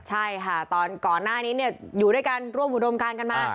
ใช่ค่ะตอนก่อนหน้านี้อยู่ด้วยกันร่วมอุดมการกันมา